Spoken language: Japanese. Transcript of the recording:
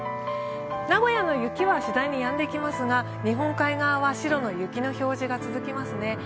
名古屋の雪は次第にやんでいきますが日本海側は白の雪の表示が続きますね。